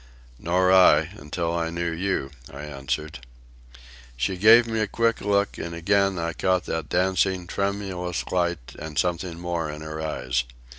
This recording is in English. "Nor I, until I knew you," I answered. She gave me a quick look, and again I caught that dancing, tremulous light and something more in her eyes.